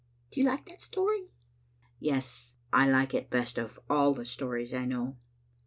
Do you like that story?" "Yes; I like it best of all the stories I know."